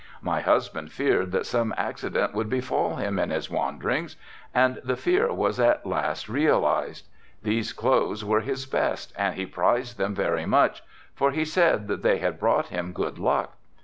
My husband feared that some accident would befall him in his wanderings and the fear was at last realized. These clothes were his best and he prized them very much, for he said that they had brought him 'good luck.